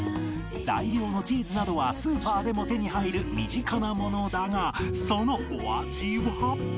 材料のチーズなどはスーパーでも手に入る身近なものだがそのお味は？